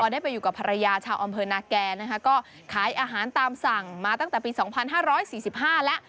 อ๋อได้ไปอยู่กับภรรยาชาวอำเภณาแก่นะคะก็ขายอาหารตามสั่งมาตั้งแต่ปีสองพันห้าร้อยสี่สิบห้าละ